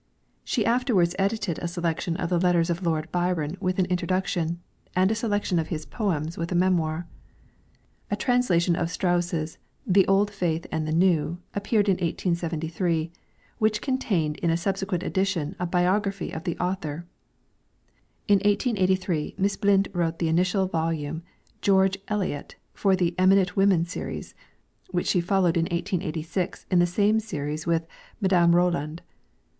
She afterwards edited a selection of the letters of Lord Byron with an introduction, and a selection of his poems with a memoir. A translation of Strauss's 'The Old Faith and the New' appeared in 1873, which contained in a subsequent edition a biography of the author. In 1883, Miss Blind wrote the initial volume, 'George Eliot,' for the 'Eminent Women Series,' which she followed in 1886 in the same series with 'Madame Roland.'